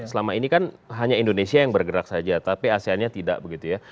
selama ini kan hanya indonesia yang bergerak saja tapi aseannya tidak begitu ya